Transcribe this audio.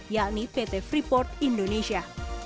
yakni pt freeport indonesia